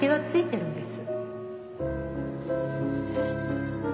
えっ？